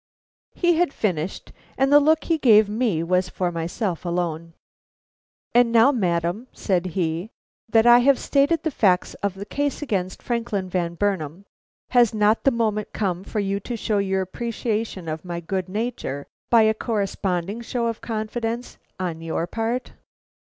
He had finished, and the look he gave me was for myself alone. "And now, madam," said he, "that I have stated the facts of the case against Franklin Van Burnam, has not the moment come for you to show your appreciation of my good nature by a corresponding show of confidence on your part?"